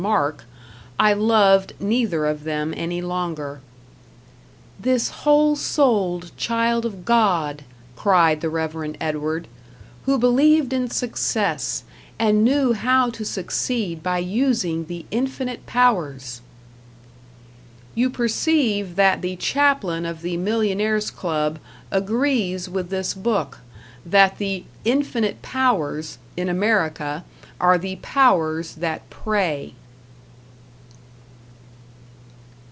Mark, I loved neither of them any longer. "This whole souled child of God," cried the Rev. Edward, "who believed in success, and knew how to succeed by using the infinite powers!" You perceive that the Chaplain of the Millionaires' Club agrees with this book, that the "infinite powers" in America are the powers that prey!